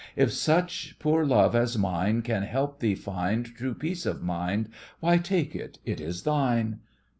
If such poor love as mine Can help thee find True peace of mind Why, take it, it is thine!